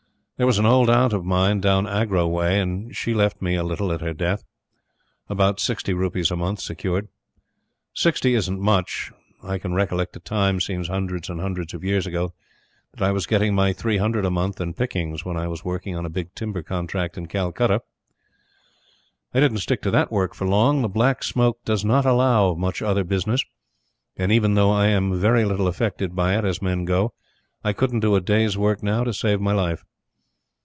There was an old aunt of mine, down Agra way, and she left me a little at her death. About sixty rupees a month secured. Sixty isn't much. I can recollect a time, seems hundreds and hundreds of years ago, that I was getting my three hundred a month, and pickings, when I was working on a big timber contract in Calcutta. I didn't stick to that work for long. The Black Smoke does not allow of much other business; and even though I am very little affected by it, as men go, I couldn't do a day's work now to save my life.